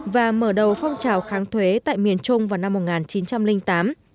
và mở đầu phong trào kháng thuế tại miền trung vào năm một nghìn chín trăm linh tám